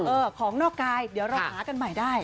ของนอกกายเดี๋ยวเราหากันใหม่ได้